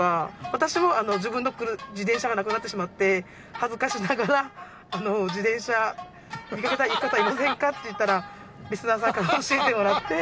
私も自分の自転車がなくなってしまって恥ずかしながら「自転車見かけた方いませんか？」って言ったらリスナーさんから教えてもらって。